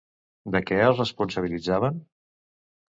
De què els responsabilitzaven?